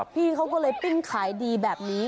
พี่เขาก็เลยปิ้งขายดีแบบนี้